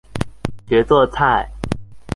學做菜